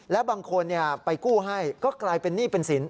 แล้วบางคนไปกู้ให้ก็กลายเป็นหนี้เป็นสิน